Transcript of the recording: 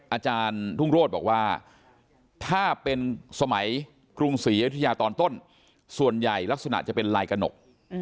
อาจารย์ทุ่งโรธบอกว่าถ้าเป็นสมัยกรุงศรีอยุธยาตอนต้นส่วนใหญ่ลักษณะจะเป็นลายกระหนก